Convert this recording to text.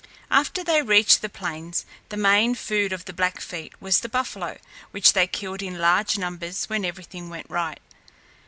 After they reached the plains, the main food of the Blackfeet was the buffalo, which they killed in large numbers when everything went right.